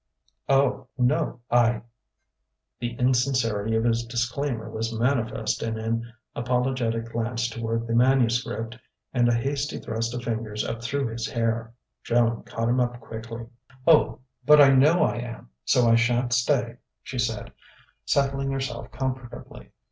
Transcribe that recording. "Oh, no I " The insincerity of his disclaimer was manifest in an apologetic glance toward the manuscript and a hasty thrust of fingers up through his hair. Joan caught him up quickly. "Oh, but I know I am, so I shan't stay," she said, settling herself comfortably.